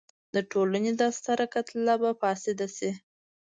د ټولنې دا ستره کتله به فاسده شي.